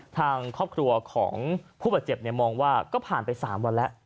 ทางครอบครัวของผู้บาดเจ็บมองว่าก็ผ่านไป๓วันแล้ว